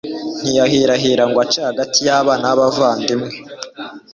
ntiyahirahira ngo ace hagati y’abana b’abavandimwe,